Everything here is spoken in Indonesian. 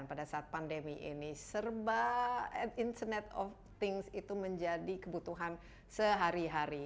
pada saat pandemi ini serba at internet of things itu menjadi kebutuhan sehari hari